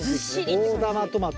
大玉トマト。